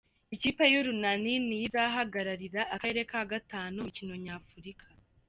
Ikipe y’Urunani niyo izahagararira akarere ka gatanu mu mikino nyafurika.